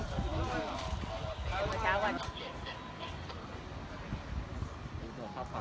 กลับมาเมื่อเวลาเมื่อเวลา